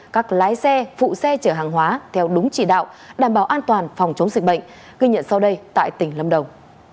các lái xe phụ xe chở hàng hóa theo đúng chỉ đạo đảm bảo an toàn phòng chống dịch bệnh ghi nhận sau đây tại tỉnh lâm đồng